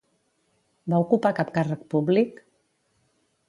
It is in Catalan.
Va ocupar cap càrrec públic?